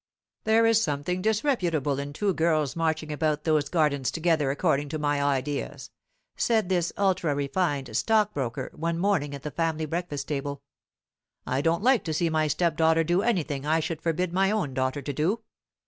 "There is something disreputable in two girls marching about those gardens together according to my ideas," said this ultra refined stockbroker, one morning at the family breakfast table. "I don't like to see my stepdaughter do anything I should forbid my own daughter to do.